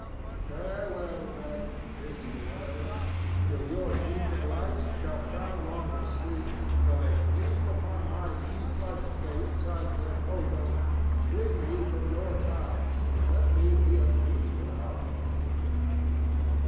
—Farewell, then, busy world! Till your evening lights shall shine along the street—till they gleam upon my sea flushed face as I tread homeward—free me from your ties and let me be a peaceful outlaw.